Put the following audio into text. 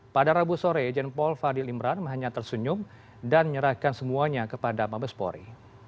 pada rabu sore ijen paul fadil imran hanya tersenyum dan menyerahkan semuanya kepada mabespori